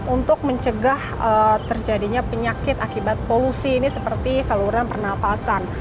untuk mencegah terjadinya penyakit akibat polusi ini seperti saluran pernafasan